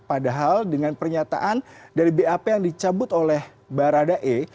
padahal dengan pernyataan dari bap yang dicabut oleh baradae